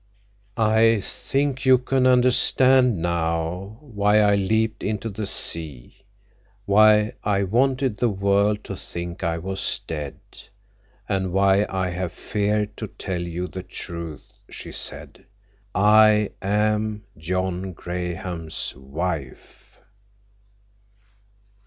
"I think you can understand—now—why I leaped into the sea, why I wanted the world to think I was dead, and why I have feared to tell you the truth," she said. "_I am John Graham's wife.